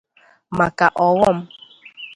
maka ọghọm